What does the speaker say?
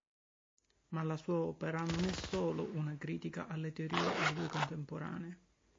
Ma la sua opera non è solo una critica alle teorie a lui contemporanee.